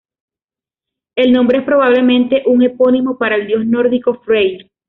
El nombre es probablemente un epónimo para el dios nórdico Freyr.